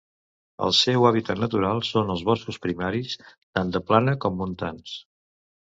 El seu hàbitat natural són els boscos primaris, tant de plana com montans.